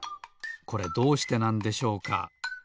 これどうしてなんでしょうか？